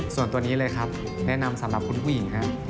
ส่วนตัวนี้เลยครับแนะนำสำหรับคุณผู้หญิงครับ